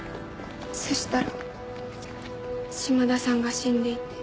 そしたら島田さんが死んでいて。